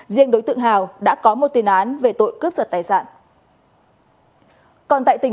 riêng đối tượng hào đã có một tiền án về tội cướp giật tài sản